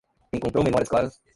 Encontrou memórias claras